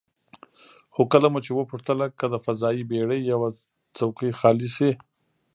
خو کله مو چې وپوښتله که د فضايي بېړۍ یوه څوکۍ خالي شي،